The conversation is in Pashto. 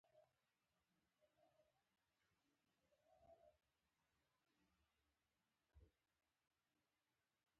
نوموړي په کال یو زر نهه سوه پنځوس کې طرحه چمتو کړه.